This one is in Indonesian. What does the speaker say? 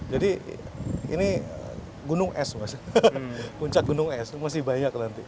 jadi ini gunung es puncak gunung es itu masih banyak nanti